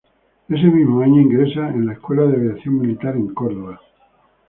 Ese mismo año ingresa en la Escuela de Aviación Militar en Córdoba.